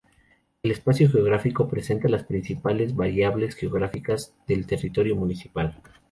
El espacio geográfico presenta las principales variables geográficas del territorio municipal.